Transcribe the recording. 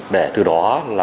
để từ đó